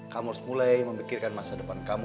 kamu harus mulai memikirkan masa depan kamu